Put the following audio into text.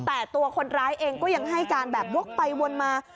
แต่ตัวคนร้ายเองก็ยังให้การแบบวกไปวนมา